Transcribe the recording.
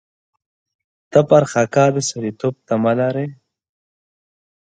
ته پر خاکه د سړېتوب تمه لرې.